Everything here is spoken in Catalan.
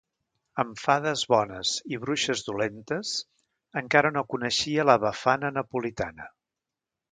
Amb fades bones i bruixes dolentes, encara no coneixia la Befana napolitana.